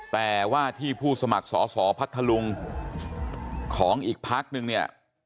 แต่ว่าที่ผู้สมัครสอสอพัทธลุงของอีกพักนึงเนี่ย